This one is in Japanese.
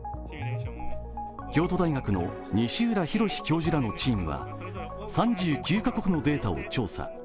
京都大学の西浦博教授らのチームは３９カ国のデータを調査。